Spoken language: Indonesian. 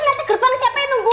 nanti gerbang siapa yang nunggu